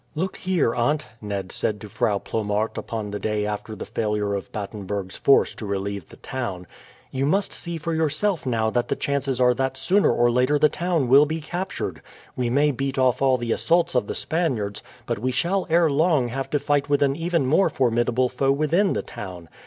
"Look here, aunt," Ned said to Frau Plomaert upon the day after the failure of Batenburg's force to relieve the town, "you must see for yourself now that the chances are that sooner or later the town will be captured. We may beat off all the assaults of the Spaniards, but we shall ere long have to fight with an even more formidable foe within the town.